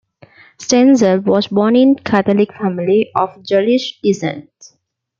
Stenzel was born in a Catholic family of Jewish descent.